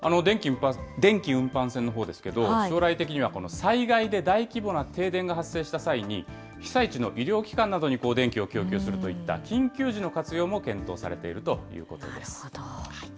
電気運搬船のほうですけど、将来的には災害で大規模な停電が発生した際に、被災地の医療機関などに電気を供給するといった、緊急時の活用もなるほど。